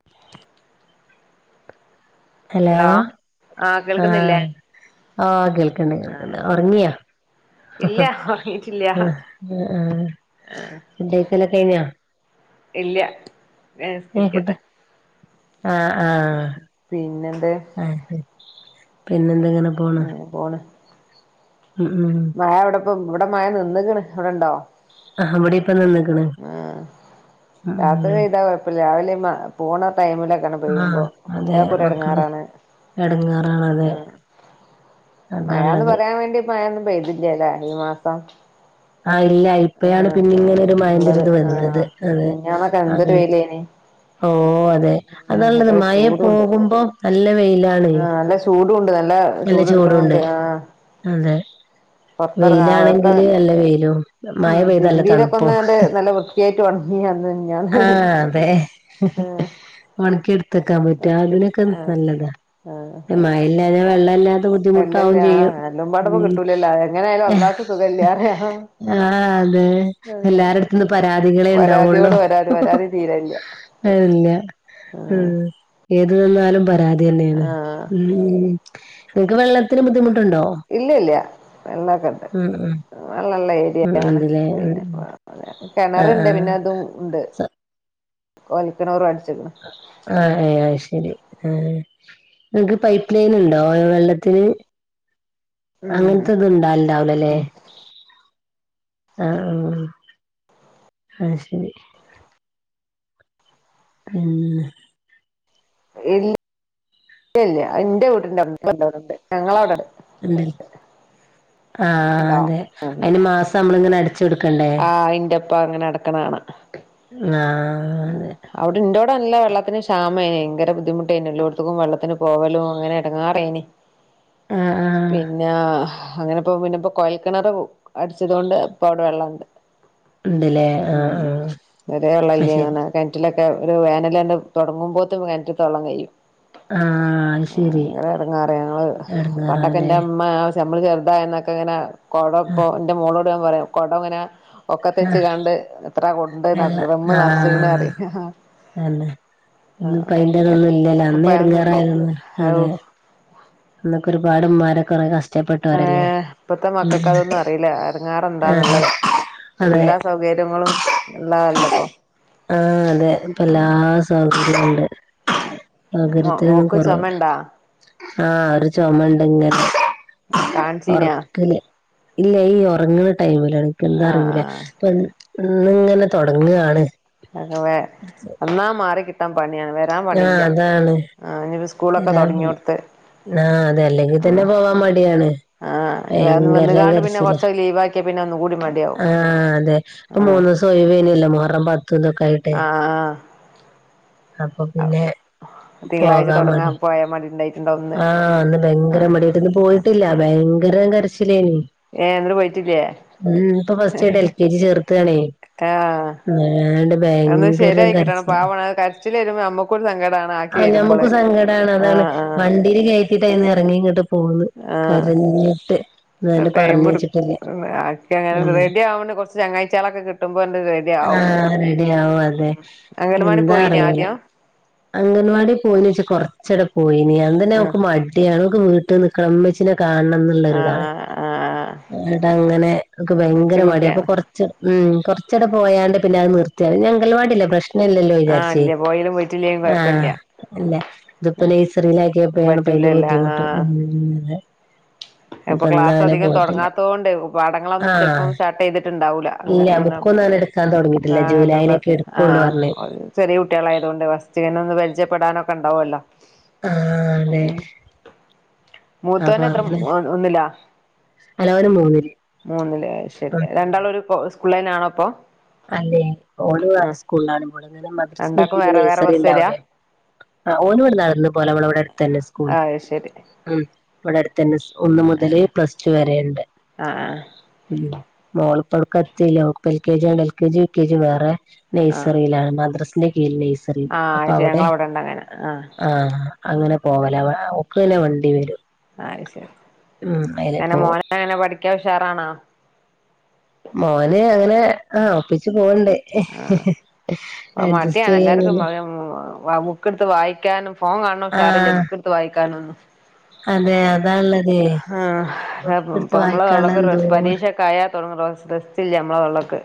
[inaudible] Hello ആഹ് കേൾക്കുന്നില്ലേ ആഹ് ആ കേൾക്കണ്ട് ആഹ് കേൾക്കണ്ട് ശരി ഉറങ്ങിയാ ഇല്ല ഉറങ്ങിട്ടില്ല [unintelligible] ആ ആഹ് ഫുഡ് കഴിക്കൽ കഴിഞ്ഞാ ഇല്ല ഞ്ഞ ഏഹ് ഫുഡ് നിസ്കരിക്കട്ടെ ആഹ് ആഹ് പിന്നെ എന്ത് ആ [unintelligible] പിന്നെന്തെങ്ങനെ ഉ പോണ് ഉം ഉം മഴ ഇവിടെപ്പം ഇവിടെ മഴ നിന്ന്കണ് അവിടെണ്ടോ? ആ അവിടെ ഇപ്പ നിന്നക്ണ് ഇപ്പ രാവിലെ മ പോണ ടൈമിലൊെ- ആഹ് പോയുമ്പോ അതെ കുട്ടക്കൊരു മക്കള് ഇടങ്ങാറാണ് എടങ്ങേറാണ് അതെ ഉം മഴാന്ന് അതാള്ളത് പറയാൻ വേണ്ടി മഴൊന്നും പെയ്തില്ലല്ലെ ഈ മാസം ആഹ് ഇല്ല ഇപ്പഴാണ് ആഹ് പിന്നെ ഇങ്ങനെ ഒരു ഉള്ളത് മയന്റരുത് വന്നത് ആഹ് അതെ മിഞ്ഞാന്നൊക്കെ എന്തൊരു അങ്ങന- വെയിലേനി ഓ അതെ ഉം അതാള്ളത് ഭയങ്കര മഴ ചൂടുണ്ട് പോകുമ്പോ നല്ല വെയിലാണ്. ചൂടു ഉണ്ട് നല്ല ചൂട് എടുക്ക് ണോണ്ട് ആ അതെ പുറത്തറങ്ങക്കെ- വെയിലാണെങ്കില് നല്ല വെയിലോ ആ തിരുമ്പീരൊക്കെ ഒന്നണ്ട് നല്ല വൃത്തിയായിട്ട് ഓണക്കി ന്ന് ആഹ് അതെ ഉണക്കി എടുത്തക്കാൻ പറ്റും ആഹ് അതിനൊക്കെ നല്ലതാ ആഹ് മഴല്ലാഞ്ഞാ ആഹ് വെള്ളല്ലാതെ ബുദ്ധിമുട്ടാവും അല്ലല്ല ചെയ്യും ആഹ് സുഖല്ല്യാറിയാ ആഹ് അതെ എല്ലാരുടുത്ത്ന്ന് പരാതികളെ ഉണ്ടാവുള്ളൂ. പരാതിയോട് പരാതി പരാതി തീരല്ല അല്ല ആഹ് ഉം ഏത് നിന്നാലും പരാതി അതുതന്നെയാണ് ആഹ് ഉം നിങ്ങക്ക് വെള്ളത്തിന് ബുദ്ധിമുട്ടുണ്ടോ ഇല്ലയില്ലാ വെള്ളൊക്കൊണ്ട് ഉം ഉം അത് നല്ല ഉം ഏരിയയാണ് ഉണ്ടല്ലേ ഉം പിന്നെ കെണറുണ്ട് പിന്നെ അതും ഉണ്ട്. ത വലിക്കണവർ അടിച്ചേക്കണ് ആ അ അയ്ശെരി ആ നിങ്ങ്ക്ക് പൈപ്പ്ലൈൻ ഉണ്ടോ വെള്ളത്തിന്. ഉം അങ്ങനത്തത് ഇണ്ടാവ ഇണ്ടാവൂലല്ലേ. ആ ആ അയ്ശെരി. ഉംന്ന് ഇല്ലാ ഇല്ലൃ എന്റെ വീട്ടിന്റെറ്റവിടൊണ്ട് ഞങ്ങളെ അവിടൊണ്ട്. എന്തിന് ആ ഉണ്ടോ അതെ അതിനുമാസം നമ്മളിങ്ങനെ അടച്ചുകൊടുക്കണ്ടേ. ആ ഇന്റൊപ്പം അങ്ങനെ അടക്കണണാണ് ങ്ങാ ആ അവിടെ ഇന്റോടെ നല്ല വെള്ളത്തിന് ക്ഷാമമായിനെ ഭയങ്കര ബുദ്ധിമുട്ടായിന് എല്ലോടത്തക്കും വെള്ളത്തിന് പോവാലോ അങ്ങനെ എടങ്ങേറായിന്. ആഹ് ആഹ് പിന്നാ. അങ്ങനെയിപ്പോ പിന്നെ ഇപ്പോ കോയൽക്കിണർ കു അടിച്ചതുകൊണ്ട് ഇപ്പവിടെ വെള്ളൊണ്ട്. ഉണ്ടല്ലേ. ആഹ് ആഹ് [unintelligible] അത് ശരി കെണറ്റിലൊക്കെ ഒരു വേനലങ്ങട് തൊടങ്ങുമ്പോത്തും കെണറ്റിത്തെ വെള്ളം കഴിയും. ആഹ് അത് ശരി ഞങ്ങളാ എറങ്ങാറ് ഞങ്ങള് പണ്ടൊക്കെ എടങ്ങേറാല്ലേ എന്റെ അമ്മ. ഞമ്മള് ചെറുതായെന്നൊക്കെ ഇങ്ങനെ കൊടം ആഹ് ഇപ്പോ എൻ്റെ മോളോട് ഞാൻപറയും കൊടം ഇങ്ങനെ ആഹ് ഒക്കത്തെച്ചുകാണ്ട് എത്ര കൊണ്ട് നെർ ഡ്രമ്മ് നെറച്ചേക്കണന്നറിയോ ഹ്ഹാ അതെ ഇന്നും കയ്യിലൊന്നും ഇല്ലല്ലോ ഇപ്പ അന്നേ അതൊന്നുല്ല എടങ്ങേറായതല്ലേ ഔ അതെ. അന്നൊക്കെ ഒരുപാട് ഉമ്മാരെ കൊറെ കഷ് ഏർ ഇപ്പത്തെ മക്കക്ക് അതൊന്നും അറിയില്ല എടങ്ങേറ് ആഹ് എന്താന്നൊള്ളത്. അതെ എല്ലാ സൗകര്യങ്ങളും ഉള്ളതല്ല ഇപ്പൊ. ആ അതെ ഇപ്പ എല്ലാ സൗകര്യങ്ങളും ഉണ്ട് സൗകര്യത്തിനൊന്നും മോക്ക് കൊറവില്ല. ചൊമണ്ടാ ആ ഒരു ചൊമ ഉണ്ടെങ്കി കാണിച്ചീനാ ഒറക്കല്. ഇല്ല ഈ ഒറങ്ങണ ടൈമില് എനക്ക് എന്താ ആഹ് അറിയൂല ആഹ് ഓ ഇന്ന് ഇങ്ങനെ തൊടങ്ങുകാണ്. ആകവെ എന്നാ മാറിക്കിട്ട്. മൊത്തം പണിയാണ് വരാൻ ആഹ് പണിയില്ല അതാണ് ആ ഇനിപ്പം സ്കൂളൊക്കെ തൊടങ്ങിയോടത്ത്. ആ അതെ അല്ലെങ്കിതന്നെ പോവാൻ മടിയാണ്. ആ ഇനി ഭയങ്കരം വന്നുകാണ്ട് പിന്നെ കരച്ചിലാ കൊറച്ച് ലീവ് ആക്കിയാ പിന്നെ ഒന്നും കൂടി മടിയാവും ആ അതെ ആ ഇപ്പം മൂന്നുദിവസ് ഒഴിവുതന്നെയല്ലേ മുഹറം പത്തുന്നൊക്കെയായിട്ടേ. ആ അപ്പൊ ആ പിന്നെ. തിങ്കളാഴ്ച പോകാൻ മടി തുടങ്ങാൻ പോയാ മടി ഉണ്ടായിട്ടുണ്ടാവും ഇന്ന് ആ ആ അന്നുഭയങ്കര മടി ഇന്നുപോയിട്ടില്ല ഭയങ്കര കരച്ചിലേന്. ഏ എന്നിട്ട് പോയിട്ടില്ലേ ഉം ഇന്നിപ്പം ഫസ്റ്റായിട്ട് എൽ കെ ജി ചേർക്കാണേ ആ ആണ്ട് ഭയങ്കരം കരച്ചിലാ ച്ചിലു വരുമ്പോ ഞമ്മക്കൊരു സങ്കടാണ്. ആക്കി ആ ഞമ്മക്ക് വരുമ്പള് സങ്കടാണ് ആ അതാണ് ആ വണ്ടീല് കയറ്റിട്ടയിന്ന് എറങ്ങി ഇങ്ങോട്ട് പോന്ന്. കരഞ്ഞിട്ട്. അ ന്നാലും പറഞ്ഞ് ടൈമെടുക്കും വെച്ചിട്ടില്ല ആക്കി അങ്ങനെ ഉം റെഡിയാവാണ്ട് കൊറച്ചു ചങ്ങാഴ്ച്ചകളൊക്കെ കിട്ട് കിട്ടുമ്പോ ആണ്ട് റെഡിയാവും ആഹ് റെഡി ആവും അതെ അംഗനവാടി പോയിനാ ആദ്യം. അംഗനവാടി പോയിനച്ചാ കൊറച്ചെടെ പോയിന് അതന്നെ ആഹ് അവക്ക് മടി ടിയാ അവക്ക് വീട്ടിനിക്കണം ഉമ്മച്ചീനെ കാണണംന്ന്. നതാണ് ആഹ് ആഹ് ആട്ട അങ്ങനെെ കൊച്ചു ഭയങ്കര മടി അപ്പൊ. കുട്ടിയാണ് ഉം. കുറച്ചടെ പോയാണ്ട് പിന്നെ അത് നിർത്തിയാണ് ഞങ്കൽവാടില്ല പ്രശ്നം. ഇല്ലല്ലോ ആഹ് വിചാരിച്ച് ഇല്ല പോയലും പോയി ആഹ് അല്ല ഇതിപ്പോ നെയ്സറിയിലാക്കിയപ്പോണ് പൈന്റെ പറ്റൂലല്ല ബുദ്ധിമുട്ട് അപ്പൊ ഇനിപ്പ ക്ലാസ് ഇന്നങ്ങനെ അധികം പോയിട്ടില്ല തുടങ്ങാത്തോണ്ട് പടങ്ങളൊന്നും ആഹ് ചെപ്പം സ്റ്റാർട്ട് ചെയ്തിട്ടുണ്ടാവൂല അ ഇല്ല ഒ ബുക്കൊന്നും അങ്ങനെ എടുക്കാൻ തുടങ്ങിയിട്ടില്ല വണ്ടണ്ട് ജൂലൈയിലൊക്കെ എടുക്കുള്ളൂ ആഹ് പറഞ്ഞ് ചെറിയ കുട്ടികള ആായതുകൊണ്ട് വസ്തികനൊന്ന് പരിചയപ്പെടാനൊക്കെ ഉണ്ടാവല്ലോ ആഹ് അതെ ഉം അപ്പൊ മൂത്തന്നെത്ര അങ്ങനെ മ ഒന്നിലാ അല്ല ഓന് മൂന്നില് മൂന്നിലേ ശരി ഉം രണ്ടാൾ ഒരു പുള്ളേനാണോപ്പൊ അല്ലെ ഓണ് വേറെ സ്കൂളിലാണുമ്പോള് ഇങ്ങനെ മദ്രസ് രണ്ടാക്കും നഗിയില് വേറെ വേറെ നഴ്സറി ബസ് വരാ ഉണ്ടാവൂല്ലേ ആ ഓനും നടന്ന് പോലെ നളവിടെ അടുത്ത്ന്നെ സ്കൂൾ അത് ശരി ഉം ഇവിടെടുതന്നെ ഒന്ന് മുതല് പ്ലസ് ടു വരുണ്ട് ആഹ് ആഹ് ഉം മോള ഇപ്പൊഴൊക്കെ എത്തില്ല എൽ കെ ജിണ്ട് L K G V K G വേറെ ആഹ് നെയ്സറയിലാണ് മദ്രാസന്റെ കില് ന ആഹ് ആച്ചേ ഞങ്ങ അവിടെണ്ട അങ്ങനെ ആഹ് ആഹ് അങ്ങനെ പോകല ഒക്കല്ലെ വണ്ടി വരും ആ ശരി ഉം അയിന് എന്നേ പോ മോനങ്ങനെ പഠിക്കാ ഉഷാറാണോ? മോന് അങ്ങനെ ആ ഒപ്പി പോവ്ണ്ടേ ആഹ് അഡ്ജസ്റ്റ് ചെയ്യങ്കില് വ ബുക്കെടുത്ത് വായിക്കാനും ഫോൺ കാണോ ഷാറല്ലേ ആഹ് ബുക്കെടുത്ത് വായിക്കാനൊന്നും അതെ അതാല്ല ആ നമ്മളള്ള വായിക്കാള്ള എന്തോര് പരീക്ഷൊക്കെ ആയാ തുടങ്ങ റെസ്റ്റില്ല നമ്മളെള്ളക്ക്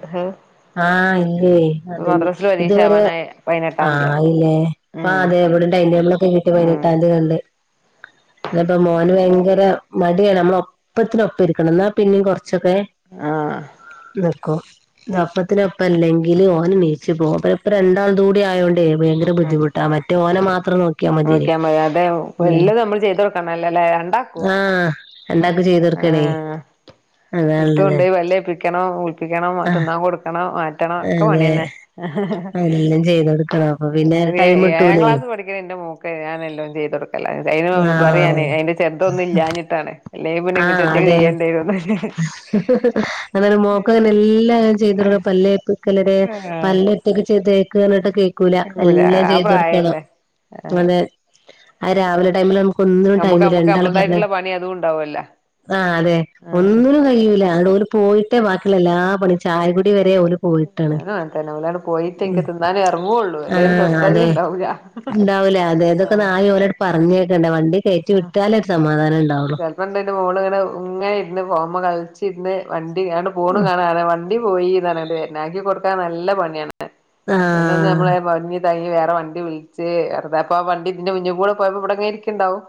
ആഹ് ഇല്ലേ അതന്നെ ഇതുവരെ വയനാട്ട് ആഹ് ഇല്ലേ അപ്പ അതെ എവിടെ ഉം ഡൈൻടേബിള ഒക്കെ എ ഉം പട്ടാംതിയതിക ഉണ്ട് അപ്പോ മോന് ഭയങ്കര മടിയ നമ്മള ഒപ്പത്തിന ഒപ്പം ഇരിക്കണം എന്നാ പിന്നെയും കൊറച്ചൊക്കെ ആഹ് നിക്കും ഇപ്പത്തിനൊപ്പം അല്ലെങ്കിൽ ഓന് നിച്ച് പോകും അപ്പ ഇപ്പ രണ്ടാൾത് കൂടി ആയോണ്ട് ഭയങ്കര ബുദ്ധിമുട്ടാ മറ്റേഓനെ മാത്രം നോക്ക ഓക്കെമ്മതി അത വല് നമ്മള് ചെയ്ത കൊടുക്കണം അല്ലേ അല്ല ഉണ്ടാക്കൂ ആഹ് രണ്ടാക്കും ചെയ്ത് ആ കൊടുക്കണേ അതാള്ളത് ഇർത്തുണ്ടേയ് വല്ലേ ോ വിളൽപ്പിക്കണോ ആഹ് തിന്നാൻ കൊടുക്കണോ മാറ്റം ഒക്കെ അതെ പണിയന്നേ എല്ലാം ചെയ്ത് കൊടുക്കണം അപ്പൊ പിന്നെ ടൈം ഏഴാം കിട്ടൂലേ ക്ലാ പടി എന്റെറെ മൂക്ക് ഞാനെല്ലാം ചെയ്ത കൊടുക്കല അ പറയാന് ആഹ് അതിന്റെ ചെറുതൊന്നും ഇല്ലാഞ്ഞിട്ടാണ് അല്ലെങ്കി പിന്നെ ഇങ്ങക്ക് ആഹ് ഒറ്റക്ക് അതെ ചെയ്യേണ്ടിവരുന്ന് അങ്ങെ മോക്കങ്ങനെ എല്ലാം ചെയ്തടുക്ക പല്ലേപ്പിക്കലരെ ആഹ് പല്ലറ്റൊക്കെ ചെയ്തേക്കാനായിട്ട് കേ നടക്കൂല എല്ലാം ആ ചെയ്ത് കൊടുക്കണം പ്രായല്ലേ ആഹ് അങ്ങനെ ആ രാവിലെ ടൈമ ഒന്നും നമ്മുക്ക് ടൈമ നമ്മുക്ക് രണ്ടാള് പറഞ്ഞ നമ്മളതായിട്ടുള്ള പണി അതും ഉണ്ടാവുഅല്ലോ ആ് അതെ ഒന്നും കഴൂല ആവിടോര് പോയിട്ട് ബാക്കിയുള്ള എല്ലാ പണിയും ചായകുടി വരെ ഓല് പോയിട്ടാണ് ഞാന മനേന്നെ പോലാണ് പോയിട്ട് എനിക്ക് തിന്നാനേ ഇറങ്ങുവുള്ളൂ എല്ലേൽ സ്വസ്ഥത ഉണ്ടാവൂല്ല ഉണ്ടാവില്ല അതെ അതൊക്കെ നായ ഓലോട്് പറഞ്ഞേക്കേണ്ട വണ്ടി കയറ്റി വിട്ടാല ഒരു സമാധാനം ഉണ്ട് ചെിലപ്പ ഇണ്ടന്റെ മോണ് ഇങ്ങനെ ഉങ്ങ ഇരുന്ന് പോകുമ്പോ കളിച്ചിരുന്ന് വണ്ടി കണ്ട് പോണും കാണാെ വണ്ട ണ്ടി പോയി ഇതാണ് ഇത്ാക്കി കൊടുക്കാൻ നല്ല പണിയാണ് പിന്ന് ആഹ് നമ്മളെ ഇാ വേറെ വണ്ടി വിളിച്ച് വെുതെ അപ്പ ആ വണ്ടി ഇതിന്റെ മുന്നിൽ കൂടെ പോയപ്പോ വിടങ്ങി ഇരിക്കണ്ടാവും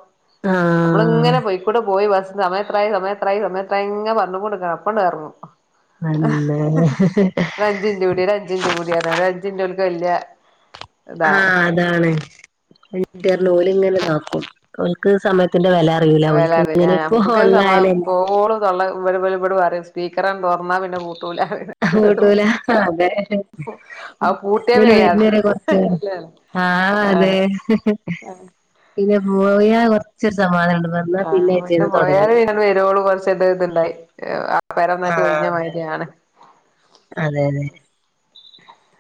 അമ്മൾ ആഹ് ഇങ്ങനെ കൂടെ പോയി ബസ് സമയത്തായി സമയത്തായി സമയത്ര ഇങ്ങ പറന്ന കൊണ്ട്ടുക്കണം അപ്പൊണ്ട ഇറങ്ങും അന്നേ അഞ്ചി മിൻറ്റ്ടിയ രഞ്ചിഞ്ന്റെ ടിയ ഒരുഞ്ചി ൻറ്റ് ഓര്ക്ക് വലിയ ആഹ അതാണ് ഓല ഇങ്ങന ഇതാക്കും ഓർക്ക്ക്ക് സമയത്തിന്റെ വെല ല വെല ഓര്ക്ക് ഇങ്ങനെ ഇപ്പോ ഉള്ളായാലല്ല ിെട് പറയും സ്പീക്കറാണ് ത തുറന്നാൽ പിന്നെ പുട്ടൂല പുട്ടൂല അതനെ അത് പൂട്ടിയ ഇവര് പെയ്യാതാ വരുന്നേര കൊറച്ച് ഇല്ല ആഹ അതെ ആഹ് ആഹ് പിന്നെ പോവയാ കുറച്ചൊരു സമാധനാനംുണ്ട് പറ ആഹ് അ പിന്നെ പോയാരെ വരുവോള് കുറച്ച് ഇത് ഇതുണ്ടായി ആപര ഒന്നായിട്ട് ഒഴിഞ്ഞ മയിരിയാണ് അതന്നെ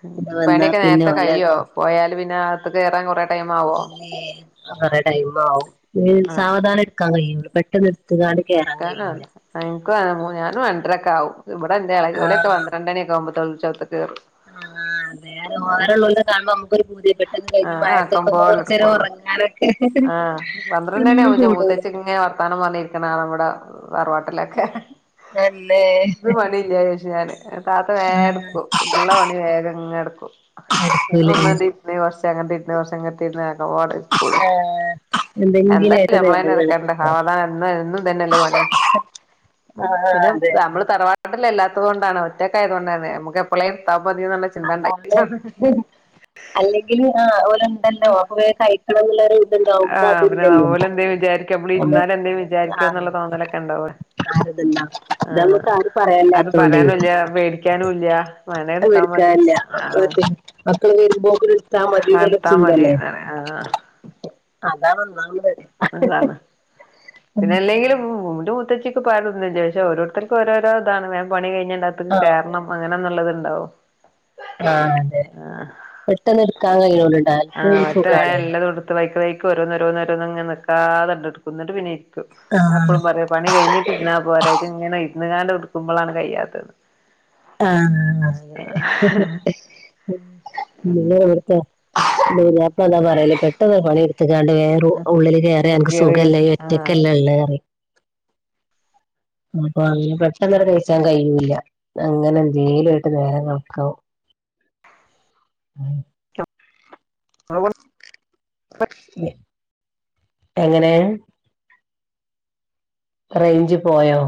ഉ പണിയൊക്കെ പിന്നെ നേരത്തെ ഓലെ കഴ്യോ പോയാാലല് പിന്നെ അകത്ത കയറൻ കൊറെേ ടൈം ആവോ ല്ലറെ ടൈം ആവും ആഹ് സാവധാനം എടുക്കാൻ കഴിയും പെട്ടെന്ന് എടുത്തുകാണ്ട് കേറാൻ കഴിയൂല എ എന ഞാനും രണ്ടരക്ക ആാവും ഇവിടെ എൻ്റെ എളച്ചി ഒലൊക്കെ പന്ത്രണ്ടണൊക്കെകുമ്പോത്തിന് കുളിച്ച് കത്ത കേറ്യം ആഹ അത വേ വേറെ ഉള്ള കാുമ്പോ നമുക്കൊരു പുതി പെട്ടെന്ന് കഴിഞ് ആഹ് മഴ ത്തൊക്കെ ഒന്ന് കുറച്ച നേം ഉറങ്ങാ ലോ ആ് പന്ത്രണ്ട ണിആാവുമ്പോത്തിന് കൂടൂല മൂത്തേച്ചിങ്ങനെ വർത്താനം പറഞ്ഞിരിക്കണ ആളാ ഇവിടെ തറവാട്ടിലൊക്കെ അല്ലേ ഇത് പണി ഇല്ല ച ഞാന് താത്ത വേഗ ആഹ് എടുക്കും ഉള്ള പണി വേഗങ്ങ എടുക്കും നടക്കൂലേ ഞാനൊന്ന് ആ ണ്ട് രിന്ന് ഒന്ന് കുറച്ച് ങ്ങണ്ടിരിന്ന് ആക്കപോലെ ഇടുക്കൊള്ളു ആഹ് എന്തെങ്കിലും എന്തായ ആയിട്ട് നമ്മള തെ നേരങ്ങള് ഇറക്കണ്ട സാവധാനം എ എന്നും ഇതന്നെയല്ലെ പണി ആഹ് പിന്നെ അതെ നമ്മള് തറവാടിലല്ലാത്തത് കൊൊണ്ടാണ് ഒറ്റക്കായതുകൊണ്ടാണ് നമ്മുക്ക് ഇപ്പളെർത്താ മതിന്ന ചിന്ത ഉണ്ടായിട്ടാണ് അല്ലെങ്കിൽ ആ അപലെ ഉണ്ടല്ലോ അ കൈക്കണന്നുള്ളരു ആഹ് പിന്നെ അ ഓല്എന്താ വിചാരിക്കാ അമ്മ ള് ഇരുന്നാലും നമുക്ക് എന്തേും വിചാരിക്ക ആഹ് എന്നുള്ള തോന്നലൊക്കെ ഉണ്ടാവോ ആരതല്ല ഇത് നമുക്ക് ആരും ത്ത ആരും പറയാനില്ലാത്തോണ്ടേ പറയാനുല്യ പേടിക്കാനുലിയ അത് വേണഎടുത്താ മതി എടുക്കാനില്ല ആ മറ്റേ മക്കള് വരുമ്പോ ത്തിന്ഇടുത്താ മതി എന്നുള്ള എടുത്താ മതി ചിന്തല്ലേ ആഹ് അതാണ് ഒന്നാമത് അതാണ് പിന്നെ അല്ലെങ്കിലും എൻ്റെ മുത്തച്ചി പാരുന്നില്ല ഓരോരുത്തർക്ക് ഓരോ ഇതാണ് വേഗം പണി കഴിഞ്ഞട്ട് അ ക ത്തക്ക് ആ കേറണം അങ്ങനന്നുള്ളത് ഉണ്ടാവു ആഹ അതെ ന്നെപെട്ടെന്ന് എടുക്കാൻ കഴള്ളണ്ടക്ക് ആഹ് മറ്റേ വേം സുഖണ് എല്ലതും എടുത്ത് വൈക്ക് വൈക്ക്ഓരോന്നോ രോരോുംങ്ങ നിക്കാതണ്ടെടുക്കുന്നിട്ട് പിന്നെ ഇരിക്കും ആ ഞാനപ്പോഴും പറയും പണി കഴിഞ്ഞിട്ടി ഇരുന്നാ പോരെ ഇത്ഇങ്ങനെ ഇരുന്ന്ുകാണ്ട് ഇടുക്കുമ്പോഴാണ് കഴിയാത്തത് ആഹ അതെ ആഹ് എടുത്ത ന അപ്പന്താ പറല പെട്ടവ പണിടു [unintelligible] ടുത്ത് ക്കാണ്ട് വേഗം റൂ. ഉള്ളില് കേറിയാ നിനക്ക് സുഖല്ലെ നീ ഒറ്റക്കല്ലെള്ളത്റിയും അപ്പൊ അങ്ങനെ പെട്ടന്ന കൈച്ചാൻ കഴിയൂല്ല അങ്ങനെ എന്തേലും ആയിട്ട് നേരെ കണക്കാവും ഉം [unintelligible] എങ്ങനെയ റേഞ്ച് പോയോ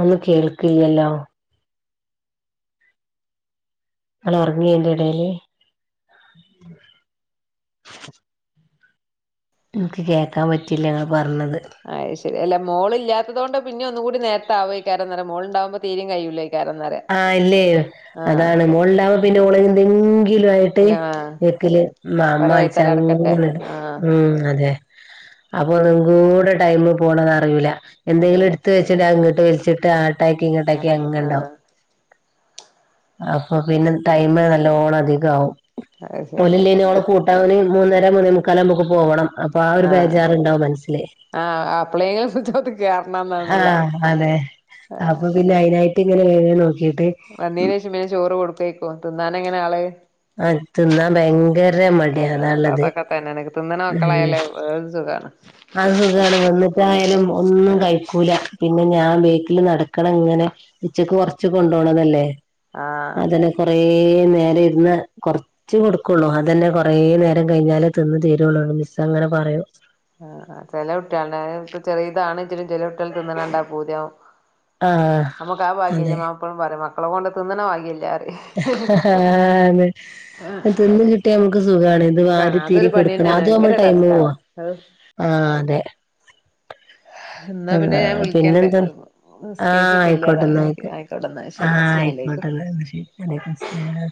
ഒന്നു കേൾക്കില്ലല്ലോ ങ്ങളെ ഉറങ്ങിയ അതിൻ്റെ ടയില് എനിക്ക് കേൾക്കാൻ പറ്റിയില്ല ആ പറഞ്ഞത് അ് ശരി' അല്ലോ മോളില്ലാത്തത കൊണ്ട് പിന്നെ ഒന്ന കൂടി നേരത്തെ ആവോ കാരംന്ന പറിയമോള് ഉണ്ടാവുമ്പോ തീും കഴൂല്ല കാരിന്നപറയ ആഹ് ഇല്ലേ അതാണ് മോളണ്ടവാ പിന്നെ മുള എന്തെങ്കിലും ആയിട്ട് ഇല്ല ആഹ് വെക്കല് മ്മമ്മ ഒരായി വിളിച്ച് തല അടക്കണ്ടേ ങ്ങവരും ആഹ് ഉം അതന്നെ അപ്പൊ ഒന്നും കൂടെ ടൈമ പോണന്ന് അറിയിൂല്ല എന്തെങ്കിലും അറിയില്ല എടുത്ത വെച്ചിട്ട ബങ്ങോട്ട് വലിച്ചിട്ട് ട്ടാക്കി ഇങ്ങട്ടാക്കി അടെ അങ്ങ ഉണ്ടാവും ആഹ് അപ്പൊ പിന്നെ ടൈമ് നല്ലോണം അധികവും അത് ശരി ഒല്ല്ലേനിഓളെ കൂട്ടാന് മൂന്നര മുന്നേ മുക്കാല് ആക്കുപ്പൊക്ക് പോണ്ണം അപ്പൊ ആ ഒരു ആഹ് ബേജാറുണ്ടാവും മനസ്സിലേ ആഹ് അപ്ളയങ്ങ കത് കേയറണംന്ന്ന്നില്ല ആഹ ഇല്ല അതിനായിട്ട് ഇങ്ങനെ വേണ നോക്കിയിട്ട് വന്നീന് ശേഷം പിന്നെ ചോറ് കൊടുതൊകൊതിന്നാന എങ്ങനെ ആള് ആഹ് തിന്നാൻ ഭയങ്കര മടിയാ [unintelligible] അതാള്ളത് പത്തൊക്കെ തന്നെണ് തിന്ന്ണെമക്കളായല്ലേ ഏത് സുഖാണ് ആഹ് സുഖമാണ് വന്നിട്ടായാലും ഒന്നും കഴിക്കൂല പിന്നെ ഞാൻ പി വീട്ടില് നടകണങ്ങനെ ഉച്ചക്ക് കൊറച്ച് കൊണ്ടോണതല്ലേ ആഹ് അത് കൊറേ നേരം ഇരുന്ന കൊറ ച്ച് കൊടുക്കുള്ളൂ അതന്നെ കുറേ നേരം കഴിഞ്ഞാലേ തിന്ന് തീരുള്ളൂന്ന് മിസ് അങ്ങനെ പറയും ആഹ് ചിലകുട്ട്യാള് ങ്ങനെ പ്പൊ ചെറിയതാണ്ണ ഇച്ചിലും ചിലകുട്ട്യാ തിന്നണണ്ട പൂജയാവും ആഹ് നമ്മുക്ക് ആ ഭാഗ്യല്ലേ അതെ മ പ്പളും പറയും മക്കളെ കൊണ്ട് തിന്നണ ഭഗ്യല്ല ആറി അണ് തിന്ന് കിട്ടിയാ നമുക്ക് സുഖണ് അത് സുഖാണ് വാരി അതൊരു തീരി കൊടുക്കണം പണിയെന്നേണ് അത് നമ്മൾ ഭയങ്കര ടൈം പോ ടാസ്കാണ് അത് ആ അതെ എന്നാ പിന്നെ ന്നാ ഞാൻ വിളിക്കണ്ട് പിന്നെന്താ ആഹ നിസ്കരിച്ചിട്ടില്ല അതാ ആയിക്കോട്ടെന്ന നിസ്ക ഒക്കെ ആയിക്കോട്ടെ എന്നാ ശരി ആഹ് അസ്സലാമു അലൈക്കും ആയിക്കോടെ ശരി വലക്കും സ്ല്ലാം